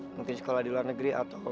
mungkin sekolah di luar negeri atau